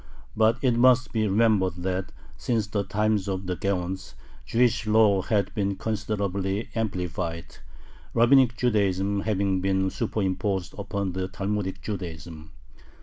But it must be remembered that, since the times of the Gaons, Jewish law had been considerably amplified, Rabbinic Judaism having been superimposed upon Talmudic Judaism.